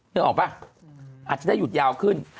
นึกออกป่ะอาจจะได้หยุดยาวขึ้น